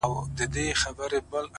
زه د ملي بیرغ په رپ ـ رپ کي اروا نڅوم _